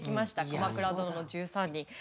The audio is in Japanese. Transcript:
「鎌倉殿の１３人」。